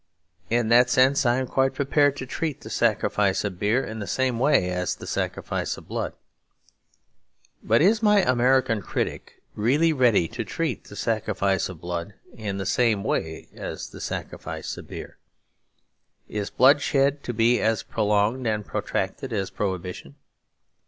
In that sense I am quite prepared to treat the sacrifice of beer in the same way as the sacrifice of blood. But is my American critic really ready to treat the sacrifice of blood in the same way as the sacrifice of beer? Is bloodshed to be as prolonged and protracted as Prohibition?